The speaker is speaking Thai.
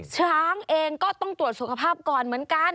ช้างเองก็ต้องตรวจสุขภาพก่อนเหมือนกัน